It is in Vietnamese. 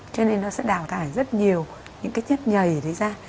cho nên nó sẽ đào thải rất nhiều những cái chất nhầy đấy ra